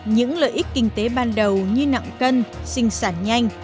những lợi ích kinh tế ban đầu như nặng cân sinh sản nhanh